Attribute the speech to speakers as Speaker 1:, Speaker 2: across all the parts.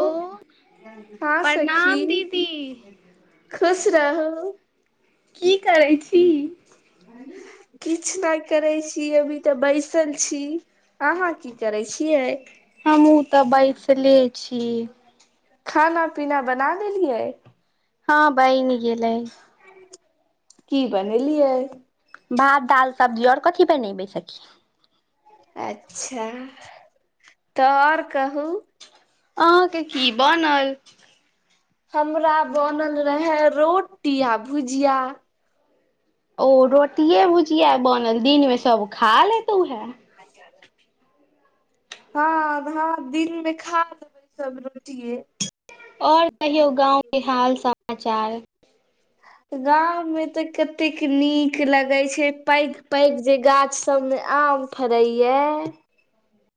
Speaker 1: ओ हं सखी
Speaker 2: प्रणाम दीदी
Speaker 1: खुश रहू।
Speaker 2: की करय छी।
Speaker 1: [unintelligible] किछ नहि करै छी, अभी तऽ बैसल छी, अहां की करै छियै।
Speaker 2: हमहु तऽ बैसले छी।
Speaker 1: खाना पीना बना लेलियै।
Speaker 2: हं बइनी गेलै।
Speaker 1: की बनेलियै।
Speaker 2: भात दाल सब्जी और कथि बनेबैय सखी।
Speaker 1: अच्छा त और कहु।
Speaker 2: अहांके की बनल।
Speaker 1: हमरा बनल रहय, रोटी आ भुजिया।
Speaker 2: ओ रोटिये भुजिया बनल, दिन मे सब खा लेत उहे।
Speaker 1: अच्छा -अच्छा। हं भात दिन मे खा लेबै, सब रोटिये।
Speaker 2: और कहियौ गांवके हाल समाचार।
Speaker 1: गांव में तऽ कतेक नीक लगे छै, पैघ पैघ जे गाछ सब मे आम फरयै।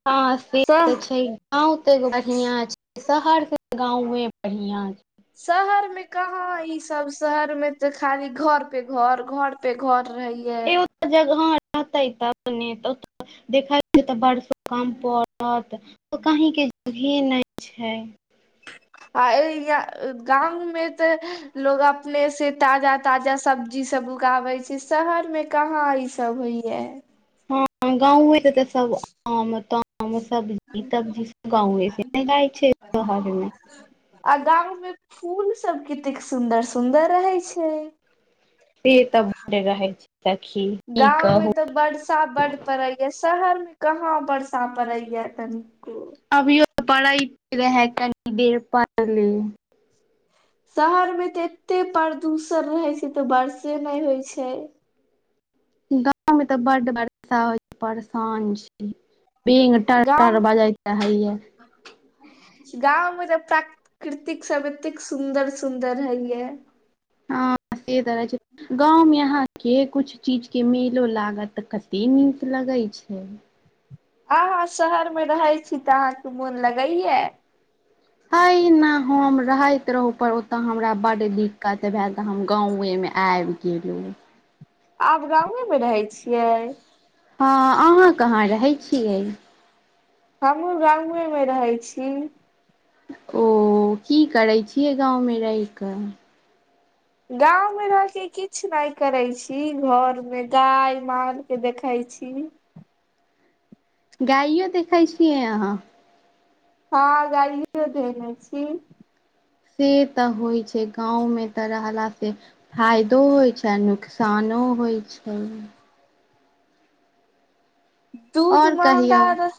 Speaker 2: हं से ते छय, गांव तो एगो बढ़िया छै। शहरके गांवे बढ़ियां छै।
Speaker 1: शहर में कहां ई सब, शहर में ते खाली घर पे घर घर पे घर रहै।
Speaker 2: ए ओत जगह रहतै तब ने तो ओत देखय में तऽ बर्षो कम पड़त तो कहीं के जगहे नहि छै।
Speaker 1: [inaudible] आय य गाम में तऽ लोग अपने से ताजा ताजा सब्ज जी सब उगाबे छै शहर में कहाँ ई सब होइया।
Speaker 2: हँ गांवे में त सब आम ताम सब ब्जी तब्जी सब गाँवे से ने जाय छै शहर मे।
Speaker 1: आ गांव में फूल सब केतेक सुंदर सुंदर रहे छै।
Speaker 2: से त बड रहै छै। सखी की
Speaker 1: गाँंव मे
Speaker 2: कहू
Speaker 1: तऽ बड़ स वर्षा बड पड़ेया शहर में कहाँ वर्षा पड़ेया कनिको।
Speaker 2: अभियो त पडैत रहे कनी देर पहिले।
Speaker 1: शहर मे तऽ एते प्रदूषण रहे छै तऽ वर्षे नहि होइ छै।
Speaker 2: गाँवमे तऽ बड वरषा होइ छै परेशान छी। बेंग टर टर बजैत रहैय।
Speaker 1: गांव मे त प्राकृतिक सब एतेक सुंन्दर सुंदर हैये।
Speaker 2: हँ से त रहै छै। गाँवमे अहाँके कुछ चीजके मेलो लागत तऽ कते नीक लगै छै।
Speaker 1: अहाँ शहर मे रहै छी तऽ अहाँके मोन लगैया?
Speaker 2: हैना हम रहैत रहू पर ओतय हमरा बड्ड दिक्कत भेल तऽ हम गाँवे में आयब गेलु
Speaker 1: आब गाँवे मे रहै छियै।
Speaker 2: हँ अहाँ कहाँ रहै छियै?
Speaker 1: हमहुँ गाँवे मे रहै छी।
Speaker 2: ओ की करै छियै गाँव मे रहि क?
Speaker 1: गाँवमे रहिके किछु नहि करै छी घरमे गाय मालके देखै छी।
Speaker 2: गाइयो देखै छियै अहाँ।
Speaker 1: हँ गाइयो देखै छी।
Speaker 2: से तऽ होइ छै गाँंव में तऽ रहला से फायदो होइ छै आ नुकसानो होइ छै।
Speaker 1: दूध
Speaker 2: आओर
Speaker 1: महंगा
Speaker 2: कहियौ
Speaker 1: र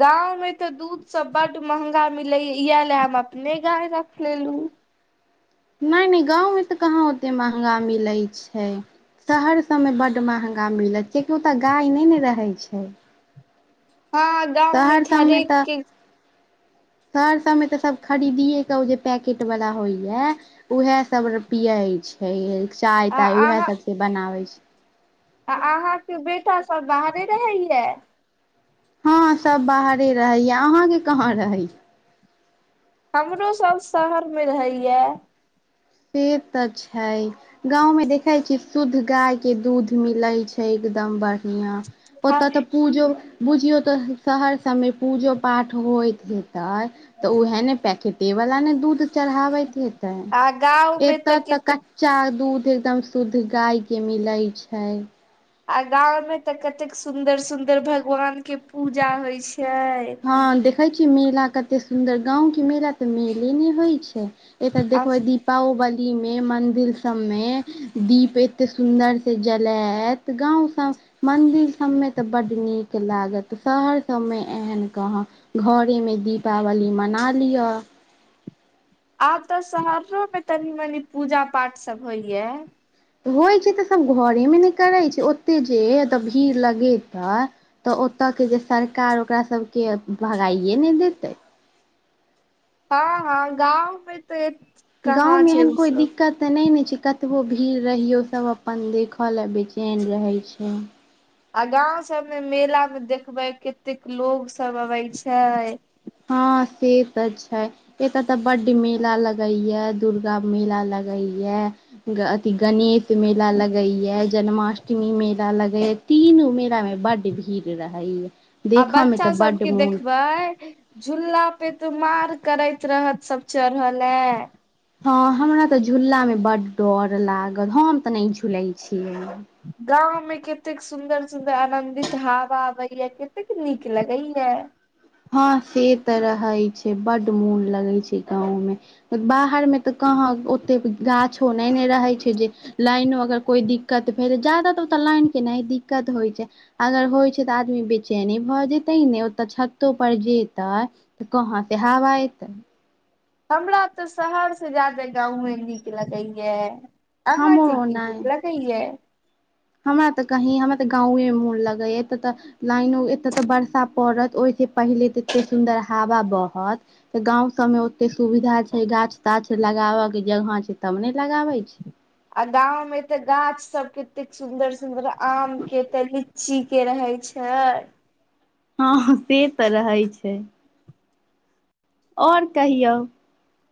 Speaker 1: गांव मे तऽ दूध सब बड महंगा मिलैया इएह लए हम अपने गाय रख लेलु।
Speaker 2: नहि नहि गाँवमे तऽ कहाँ ओते महंगा मिलै छै। शहर सबमे बड महंगा मिलै छै कियकि ओतऽ गाय नहि ने रहै छै।
Speaker 1: हँ गाँवमे
Speaker 2: शहर
Speaker 1: तो
Speaker 2: सबमे
Speaker 1: हरेक
Speaker 2: तऽ
Speaker 1: के
Speaker 2: शहर सबमे तऽ सब खरीदिये क अबइ छै पैकेट वाला होइ है उएह सब पिये छै चाय
Speaker 1: आ
Speaker 2: ताय उएह
Speaker 1: अहाँ
Speaker 2: सब के बनाबै छै।
Speaker 1: आ अहाँके बेटा सब बाहरे रहैये?
Speaker 2: हँ सब बाहरे रहैया, अहाँके कहाँ रहै?
Speaker 1: हमरो सब शहर में रहैयै।
Speaker 2: से तऽ छै। गांव में देखे छी शुद्ध गाय के दूध मिलइ छै एकदम बढ ढियां ओत
Speaker 1: हम
Speaker 2: त पूजो बुझियौ तऽ शहर सबमे पूजो पाठ होइत हतै। तऽ तऽ ओहै ने पैकेटेवला ने दूध चढ़ाबैत हेत
Speaker 1: आ गाँव मे
Speaker 2: एतऽ तऽ
Speaker 1: कतेक
Speaker 2: कच्चा दूध एकदम शुद्ध गाय के मिलेै छै।
Speaker 1: आ गांव में तऽ कतेक सुंदर- सुंदर भगवान के पूजा होय छै।
Speaker 2: हँ देखे छियै मेला कते सुन्दर गाँंव के मेला तऽ मेले ने होय छै। ए तऽ
Speaker 1: आ
Speaker 2: देखहोइ दी। पाओबली मे मंदिर सब मे दीप एते सुंदर से जलेत। तऽ गाँव सब मन्दिर सबमे तऽ बड नीक लागत शहर सब मे एहन कहाँ घरे मे दीपावली मना लिअ।
Speaker 1: आब तऽ शहरो मे कनी -मनी पूजा पाठ सब होइया।
Speaker 2: होइ छै तऽ सब घरे मे नै करै छै ओते जे ओतऽ भीड़ लगेतै। तऽ ओतऽ के जे सरकार ओकरा सब के भगाइए नै देतै।
Speaker 1: हँ हँ गाँवमे तऽ एत
Speaker 2: गाँंव मे एहन कोइ दिक्कत तऽ नै ने छै कतबो भीड़ रहियौ सब अपन देखऽ लए बेचैन रहै छै।
Speaker 1: आ गाँव सब मे मेला मे देखबे कतेक लोग सब अबेै छैय।
Speaker 2: हँ से तऽ छै। एतअ तऽ बड मेला लगैया दुर्गा मेला लगैया। अथि गणित मेला लगैया जन्माष्टमी मेला लगैय तीनू मेला मे बड भीर रहै या।
Speaker 1: आ बच्चा सबके देखबै। झूला पे तो मार करैत रहत सब चढ़ऽ लए।
Speaker 2: हँ हमरा तऽ झूलला मे बड डर लागल हम तऽ नै झूलेै छियै।
Speaker 1: गाँव में कतेक सुदर -सुदर आनदित हवा अबैया कतेक नीक लगैया।
Speaker 2: हँ से तऽ रहेै छै बड मोन लगेै छै गाँंव मे बाहरमे तऽ कहाँ ओतेक गाछो नै ने रहै छै जे लाइनो अगर कोइ दिक्कत भेल जादा तऽ ओतऽ लाइन के नै दिक्कत होय छै। अगर होइ छै तऽ आदमी बेचैनी भऽ जेतै ने ओतऽ छत तो पर जेतै तऽ कहाँ से हवा एतै।
Speaker 1: हमरा तऽ शहरसँ ज्यादे गाँवे नीक लगैया। आहाँ के
Speaker 2: हमरो
Speaker 1: की
Speaker 2: ओनाहि
Speaker 1: निक लगैया।
Speaker 2: हमरा तऽ कहीं हमरा तऽ गाँवए मे मोन लगेैया एतअ तऽ। लाइनो एतय तऽ वर्षा पड़त ओहिस पहिले तऽ एते सुन्दर हवा बहत तऽ गाँंव सबमे ओते सुविधा छै गाछ -ताछ लगाबअ के जगह छै तब ने लगाबै छै।
Speaker 1: आ गाँव मे एते गाछ सब कतेक सुंदर सुदर आम केे तऽ लि ची के रहै छैय।
Speaker 2: हँ से तऽ रहै छै। और कहियौ।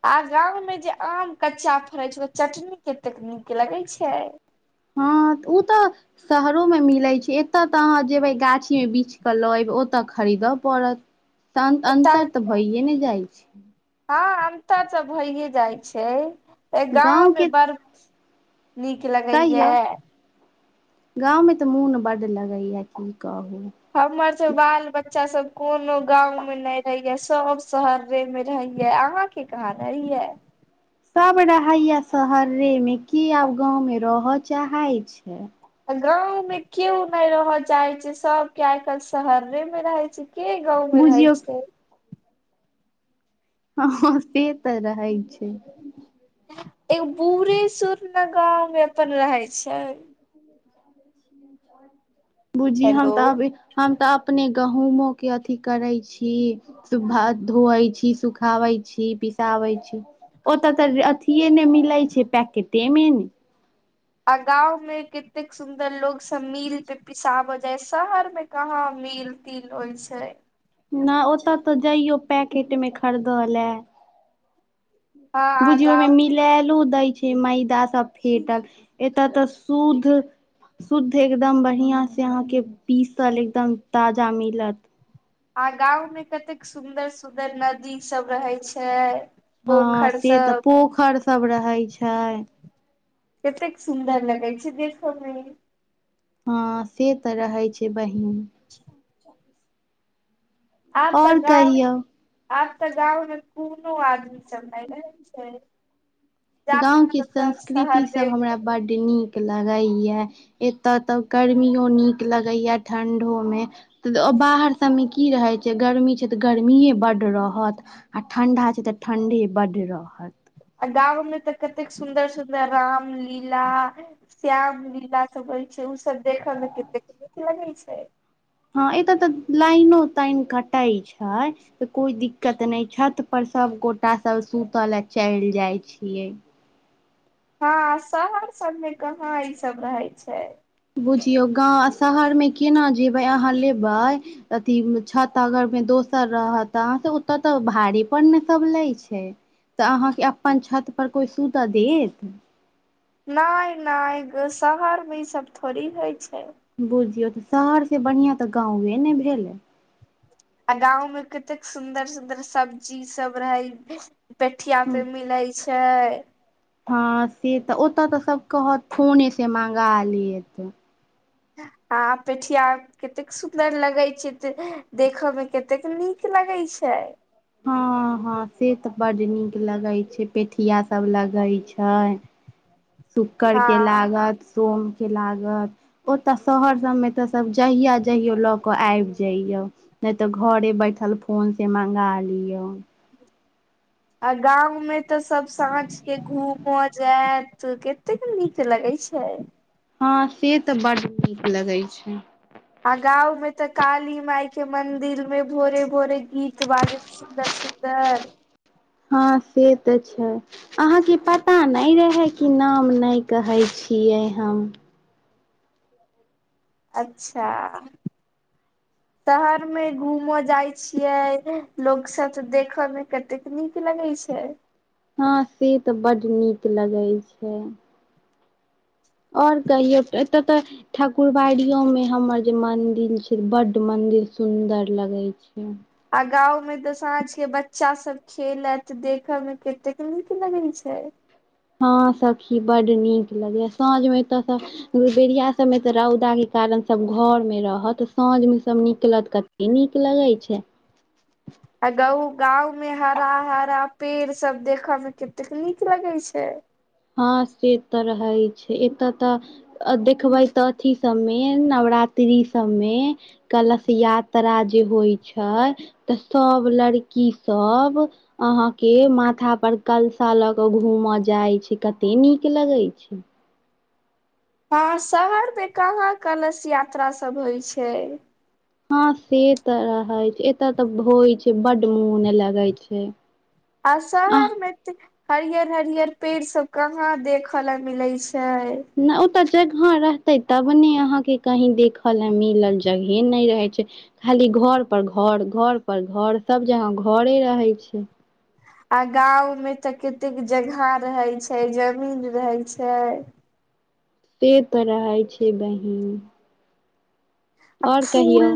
Speaker 1: आ गाँव में जे आम कच्चा फड़ेै छै ओ चटनी केतेक नीक लगेै छै।
Speaker 2: हँ उ तऽ शहरोमे मिलै छै एतअ तऽ अहाँ जेबै गाछीमे बिछ कऽ लऽ अयब ओतऽ खरीदअ पड़त। सन
Speaker 1: एता
Speaker 2: अन्तर तऽ भइए ने जाय छै।
Speaker 1: हँ अंतर तऽ भैए जाय छै गाँव मे
Speaker 2: गाँवके
Speaker 1: बड़ निक लगैया।
Speaker 2: गाँंव में तऽ मोन बड लगैया की कहू।
Speaker 1: हमर सब बाल बच्चा सब कोनो गाँंव में नहि रहैये सब शहरे में रहैये अंहाके के कहां रहै यै?
Speaker 2: सब रहैयै शहरे में के आब गाँंव में रहय चाहे छै।
Speaker 1: आ गाँंव में केओ नहि रहय चाहे छै सबके आइ काल्हि शहरे मे रह छै। के गाँंव मे रहै
Speaker 2: बुझियौ
Speaker 1: छै।
Speaker 2: हँ से तऽ रहै छै।
Speaker 1: एगो बूढ़े सुढ ने गाँव मे अपन रहय छैय।
Speaker 2: [unintelligible] बूझी हम
Speaker 1: हेलो
Speaker 2: तऽ अभी हम तऽ अपने गहूँमो के अथी करय छी। सु भात धुयै छी सुखाबै छी पिसाबै छी। ओ तऽ त अथिये ने मिलै छैय पैकेटे मे ने।
Speaker 1: आर गांव में केतेक सुंदर लोक सब मील पे पिसाब जाय शहर मे कहाँ मील तील होय छैय।
Speaker 2: ना ओतऽ तऽ जइयो पैकेट मे खरीदऽ लै।
Speaker 1: हँ आ
Speaker 2: बुझियौ ओहिमे
Speaker 1: गाँव
Speaker 2: मिलायलो दैय छैय मैदा सब फेटल एत तऽ शुद्ध। शुद्ध एकदम बढ़िया से अहाँके पीसल एकदम ताजा मिलत।
Speaker 1: आ गांव में कतेक सुंदर सुंदर नदी सब रहय छैय।
Speaker 2: हँ से तऽ पोखरि सब रहय छैय।
Speaker 1: कतेक सुन्दर लगय छैय देखऽ मे।
Speaker 2: हँ से तऽ रहय छैय बहिन।
Speaker 1: [inaudible] आब तऽ
Speaker 2: और
Speaker 1: गाँव
Speaker 2: कहियौ
Speaker 1: आब तऽ गाँव मे कोनो आदमी सब नर रहय छैय।
Speaker 2: गाँव के संस्कृति
Speaker 1: शहरे
Speaker 2: सब
Speaker 1: मे
Speaker 2: हमरा
Speaker 1: रहै।
Speaker 2: बड्ड नीक लगैये एत तऽ गर्मियो नीक लगैये ठंढ़ो मे तऽ ओ बाहर सभमे की रहैय छैय गर्मी छैय तऽ गर्मिये बड्ड रहत। आ ठंढ़ा छैय तऽ ठंढे बडड रहत।
Speaker 1: आ गाँवो मे तऽ कतेक सुन्दर सुन्दर राम लीला श्याम लीला सब होय छैय ऊ सब देखऽ मे कतेक नीक लगय छैय।
Speaker 2: हँ एतय तऽ लाइनो ताइन कटय छैय। तऽ कोय दिक्कत नहि छत पर सभ गोटा सभ सुत ले चलि जाय छियै।
Speaker 1: हँ शहर सबमे कहाँ ई सब रहय छैय।
Speaker 2: बुझियौ गाँव शहरमे केना जेबै अहाँ लेबै अथी छत अगर मे दोसर रहत त से ओतऽ तऽ भारी पर ने सब लय छैय तऽ अहाँके अपन छत पर कोय सूतऽ देत।
Speaker 1: नहि नहि शहर मे ई सब थोड़ी होय छैय।
Speaker 2: बुझियौ तऽ शहरसे बढ़िया तऽ गाँवे ने भेलै।
Speaker 1: आ गांव में कतेक सुंदर सुंदर सब्जी सब रहै पेठिया पे मिलय छैय।
Speaker 2: हँ से तऽ ओतऽ तऽ सब कहत फोने से मंगा लेत।
Speaker 1: आ पेठिया केतेक सुन्दर लगय छैय तऽ देखय मे केतेक नीक लगय छैय।
Speaker 2: हँ हँ से तऽ बड नीक लगैय छैय पेठिया सब लगैय छैय। शुकर
Speaker 1: हँ
Speaker 2: के लागत सोम के लागत ओत शहर सब मे तऽ सब जहिया जइयो लऽ के आबि जइयौ नै तऽ घरे बैठल फोन से मंगा लियौ।
Speaker 1: आ गांव में तऽ सब साँझ के घूम जैत। त कतेक नीक लगै छैय।
Speaker 2: हँ से तऽ बड नीक लगै छैय।
Speaker 1: आ गांवमे तऽ काली मााय के मंदिरमे भोरे- भोरे गीत बाजत सुंदर-सुंदर।
Speaker 2: हँ से तऽ छैय। अहाँके पता नहि रहय कि नाम नहि कहै छियै हम।
Speaker 1: अच्छा। शहरमे घूमऽ जाय छियै लोग सब त देखऽ मे कतेक नीक लगय छैय।
Speaker 2: हँं से तऽ बड नीक लगय छैय। आओर कहियौ एतऽ तऽ ठाकुरबाड़ियोमे हमर जे मंदिर छैय बड मंदिर सुंदर लगय छैय। अच्छा।
Speaker 1: आ गांवमे तऽ साँंझके बच्चा सब खेलत देखे मे कतेक नीक लगे छैय।
Speaker 2: हँं सखी बड नीक लगैया साँझ मे एत सब बेरिया सबमे तऽ रौदाके कारण सब घरमे रहत साँझमे सब निकलत कत नीक लगैत छैय।
Speaker 1: आ गा गांवमे हरा-हरा पेड़ सब देखेमे कतेक नीक लगे छैय।
Speaker 2: हँ से तऽ रहै छैय एतय तऽ देखबै तऽ अथि सबमे नवरात्रि सबमे- कलश यात्रा जे होइ छैय तऽ सभ लड़की सब अहाँके माथा पर कलशा ल के घूमऽ जाय छैय। कते नीक लगैत छैय।
Speaker 1: हँ शहरमे कहाँ कलश यात्रा सब होइ छैय।
Speaker 2: हँ से तऽ रहै छैय एत तऽ होइ छैय बड मोन लगे छैय।
Speaker 1: आ शहरमे हरियर-हरियर पेड़ सब कहाँ देखे ल मिले छैय।
Speaker 2: ने ओते जगह रहते तब ने अहाँ के कही देखय ल मिला, जगहे नहि रहे छैय। खाली घर पर घर- घर पर घर सब जगह घरे रहे छैय।
Speaker 1: आ गांव में तऽ कतेक जगह रहे छैय जमीन रहे छैय।
Speaker 2: से तऽ रहै छैय बहीन
Speaker 1: आ फूल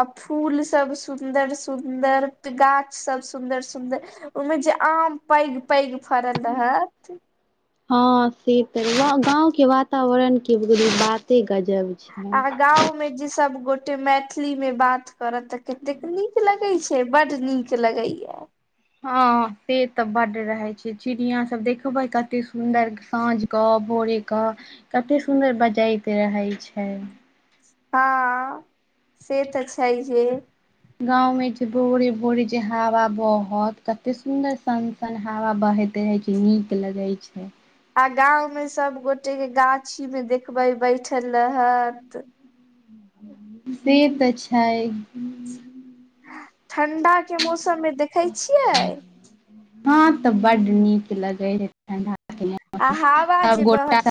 Speaker 1: अ फूल सब सुन्दर- सुदर, गाछ सब सुंदर- सुदर ओहिमे जे आम पैघ-पैघ फड़ल रहत।
Speaker 2: हँ से त गाँंवके वातावरण के बाते गजब। छै
Speaker 1: आ गाँंवमे जे सब गोटे मैथिलीमे बात करऽ तऽ कतेक नीक लगे छैय बड नीक लगैया।
Speaker 2: ह से तऽ बड रहय छैय। चिड़िया सब देखबे कते सुंदर साँझ के भोरे के कते सुदर बजैत रहय छैय।
Speaker 1: हँ से तऽ छैय जे
Speaker 2: गांव मे छै जे भोरे-भोरे जे हवा बहत कते सुंदर सं सन हवा बहैत रहे छैय नीक लगे छैय।
Speaker 1: आ गांवमे सब गोटेके गाछी मे देखबे बैठल रहत।
Speaker 2: से तऽ छैय।
Speaker 1: ठण्डाके मौसममे देखै छियै।
Speaker 2: हँ तऽ बड नीक लगै ह ठणडाके
Speaker 1: आ
Speaker 2: मौसममे
Speaker 1: हवा
Speaker 2: सब
Speaker 1: जे बहत
Speaker 2: गोटा